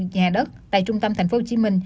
nhà đất tại trung tâm tp hcm